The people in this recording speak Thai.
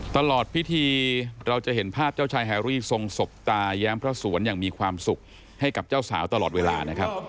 ตลอดพิธีเราจะเห็นภาพเจ้าชายแฮรี่ทรงสบตาแย้มพระสวนอย่างมีความสุขให้กับเจ้าสาวตลอดเวลานะครับ